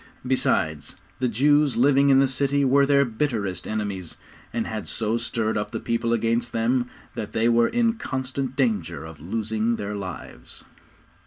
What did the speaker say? Besides, the Jews living in the city were their bitterest enemies, and had so stirred up the people against them, that they were in constant danger of losing their lives.